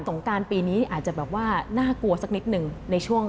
สงกรานปีนี้อาจจะน่ากลัวสักนิดหนึ่ง